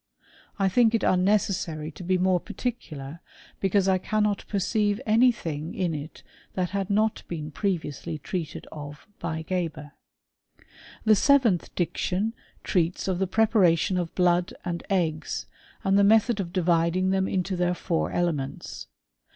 I think it unnecessary to b# more particular, because I cannot perceive any thing in it that had not been previously treated of by Geber." The seventh diction treats of the preparation of blood and eggs, and the method of dividing them intd^ their four elements.